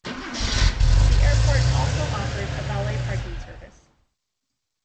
The airport also offers a valet parking service.